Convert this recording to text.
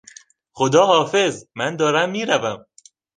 خداحافظ! من دارم میروم.